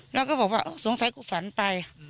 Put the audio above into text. แล้วก็บอกว่าสงสัยกูฝันไป